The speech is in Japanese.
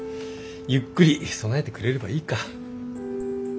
ゆっくり備えてくれればいいか。